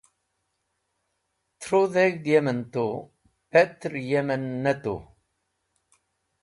Tru dheg̃hd yem en tu, petr yem en ne tu’wi.